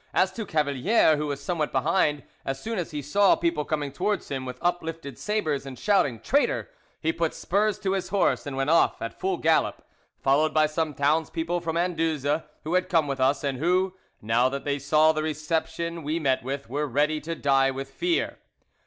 As to Cavalier, who was somewhat behind, as soon as he saw people coming towards him with uplifted sabres and shouting Traitor! he put spurs to his horse and went off at full gallop, followed by some townspeople from Anduze who had come with us, and who, now that they saw the reception we met with, were ready to die with fear.